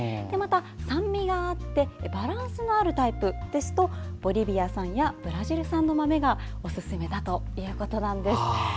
また酸味があってバランスがあるタイプですとボリビア産やブラジル産の豆がおすすめだということなんです。